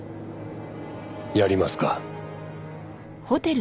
やりますか。